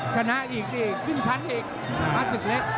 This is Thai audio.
ชนะอีกขึ้นชั้นอีกมาสึกเล็ก